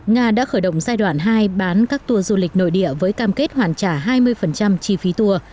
nga đã khởi động giai đoạn hai bán các tour du lịch nội địa với cam kết hoàn trả hai mươi chi phí tour